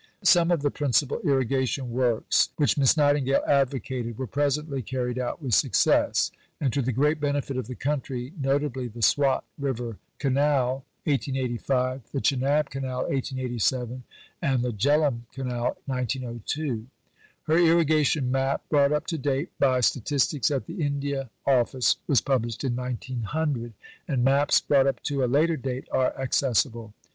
Some of the principal Irrigation works which Miss Nightingale advocated were presently carried out with success, and to the great benefit of the country, notably the Swat river canal (1885), the Chenab canal (1887), and the Jhelum canal (1902). Her Irrigation map, "brought up to date by statistics at the India Office," was published in 1900; and maps brought up to a later date are accessible.